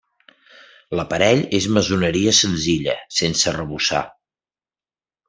L'aparell és maçoneria senzilla, sense arrebossar.